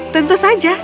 tentu saja kau boleh ikut